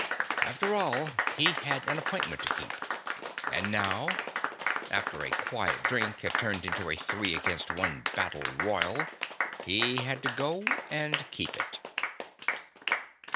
After all, he had an appointment to keep. And now after a quiet drink that had turned into a three against one battle royal he had to go and keep it.